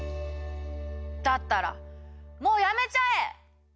だったらもうやめちゃえ！